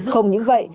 không những vậy